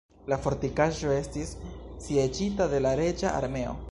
La fortikaĵo estis sieĝita de la reĝa armeo.